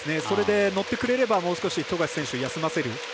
それで乗ってくれればもう少し富樫選手を休ませる。